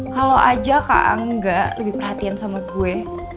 kalau aja kangga lebih perhatian sama gue